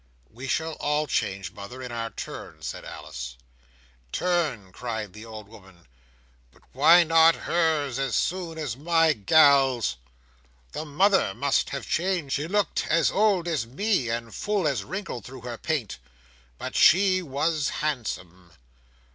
"We shall all change, mother, in our turn," said Alice. "Turn!" cried the old woman, "but why not hers as soon as my gal's! The mother must have changed—she looked as old as me, and full as wrinkled through her paint—but she was handsome.